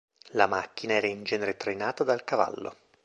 La macchina era in genere trainata dal cavallo.